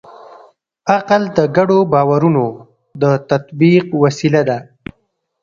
عقل د ګډو باورونو د تطبیق وسیله ده.